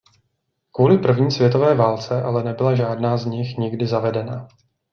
Kvůli první světové válce ale nebyla žádná z nich nikdy zavedena.